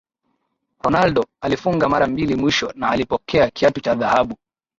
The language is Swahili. Ronaldo alifunga mara mbili mwisho na alipokea kiatu cha dhahabu